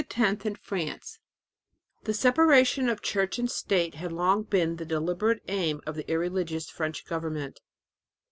VII PIUS X AND FRANCE The separation of church and state had long been the deliberate aim of the irreligious French government.